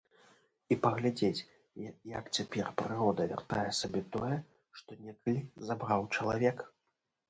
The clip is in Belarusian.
І паглядзець, як цяпер прырода вяртае сабе тое, што некалі забраў чалавек.